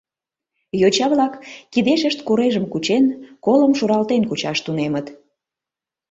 Йоча-влак, кидешышт курежым кучен, колым шуралтен кучаш тунемыт.